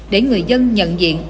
để người dân nhận diện